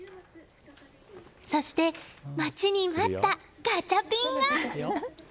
そして、待ちに待ったガチャピンが！